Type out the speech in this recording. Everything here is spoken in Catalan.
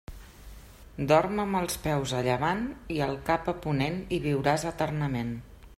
Dorm amb els peus a llevant i el cap a ponent i viuràs eternament.